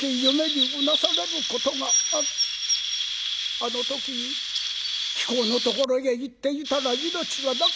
あの時貴公のところへ行っていたら命がなかったと思うと」。